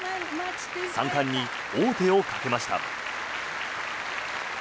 ３冠に王手をかけました。